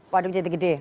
waduk jati gede